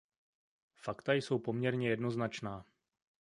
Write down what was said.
Fakta jsou poměrně jednoznačná.